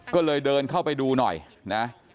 ก็เลยเดินเข้าไปดูหน่อยนะ